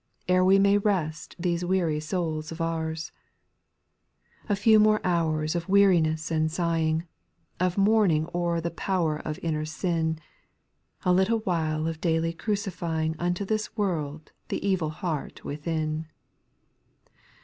Ere we may rest these weaiy souls of ours, 8. A few more hours of weariness and sighing, Of mourning o'er the power of inner sin: A little while of daily crucifying Unto this world the evil heart within.